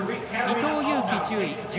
伊藤有希、１０位。